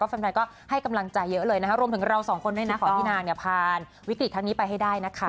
แฟนก็ให้กำลังใจเยอะเลยนะคะรวมถึงเราสองคนด้วยนะขอให้พี่นางเนี่ยผ่านวิกฤตทั้งนี้ไปให้ได้นะคะ